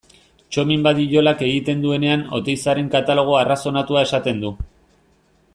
Txomin Badiolak egiten duenean Oteizaren katalogo arrazonatua esaten du.